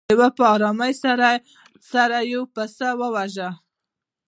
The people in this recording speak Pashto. لیوه په ارامۍ سره یو پسه وواژه.